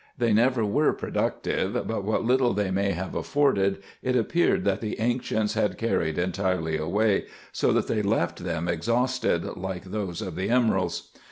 They never wrere productive ; but what little they may have afforded, it appeared that the ancients had carried entirely away, so that they left them exhausted like those of the emeralds.